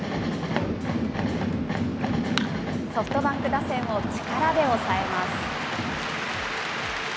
ソフトバンク打線を力で抑えます。